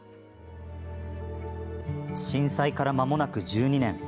震災からまもなく１２年。